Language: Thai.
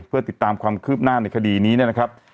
เพื่อติดตามความคืบหน้าในคดีนี้นะครับ